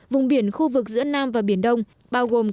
vùng biển khu vực giữa nam và biển đông